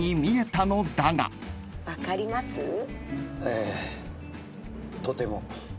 「ええ。とても」